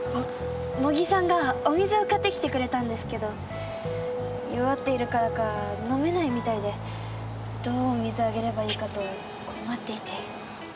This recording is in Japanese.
モギさんがお水を買ってきてくれたんですけど弱っているからか飲めないみたいでどうお水あげればいいかと困っていて。